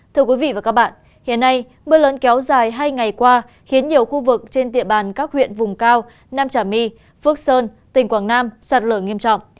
thưa quý vị và các bạn hiện nay mưa lớn kéo dài hai ngày qua khiến nhiều khu vực trên địa bàn các huyện vùng cao nam trà my phước sơn tỉnh quảng nam sạt lở nghiêm trọng